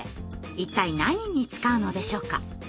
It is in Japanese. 一体何に使うのでしょうか？